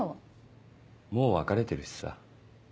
もう別れてるしさ。